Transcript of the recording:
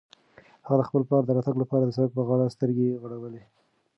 هغه د خپل پلار د راتګ لپاره د سړک په غاړه سترګې غړولې.